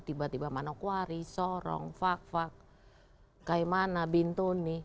tiba tiba manokwari sorong fak fak kaimana bintoni